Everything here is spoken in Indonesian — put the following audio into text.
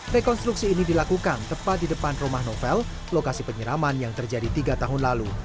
rekonstruksi ini dilakukan tepat di depan rumah novel lokasi penyiraman yang terjadi tiga tahun lalu